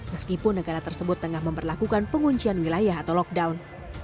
meskipun negara tersebut tengah memperlakukan penguncian wilayah atau lockdown